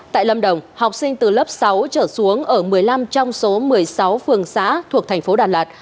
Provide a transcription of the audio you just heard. tại lâm đồng học sinh từ lớp sáu trở xuống ở một mươi năm trong số một mươi sáu phường xã thuộc thành phố đà lạt